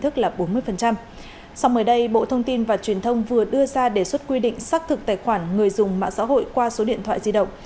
các đối tượng đã sử dụng một mươi tám tài khoản người dùng mạng xã hội qua số điện thoại di động